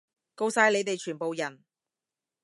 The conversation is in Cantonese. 吿晒你哋全部人！